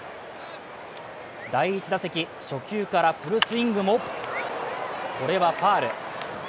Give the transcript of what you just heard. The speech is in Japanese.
第１打席、初球からフルスイングもこれはファウル。